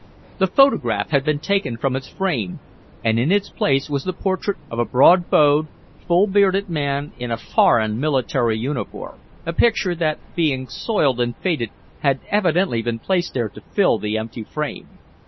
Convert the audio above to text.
The photograph had been taken from its frame, and in its place was the portrait of a broad browed, full bearded man in a foreign military uniform a picture that, being soiled and faded, had evidently been placed there to fill the empty frame.